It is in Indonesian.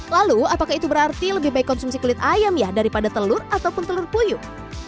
lalu apakah itu berarti lebih baik konsumsi kulit ayam ya daripada telur ataupun telur puyuh